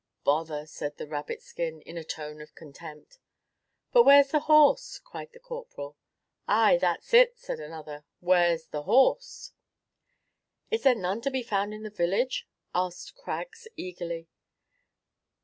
"Bother!" said the Rabbitskin, in a tone of contempt. "But where's the horse?" cried the Corporal. "Ay, that's it," said another; "where's the horse?" "Is there none to be found in the village?" asked Craggs, eagerly.